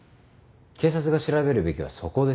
警察が調べるべきはそこです。